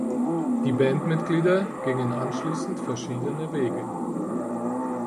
Die Bandmitglieder gingen anschließend verschiedene Wege.